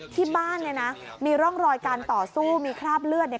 ที่บ้านเนี่ยนะมีร่องรอยการต่อสู้มีคราบเลือดเนี่ย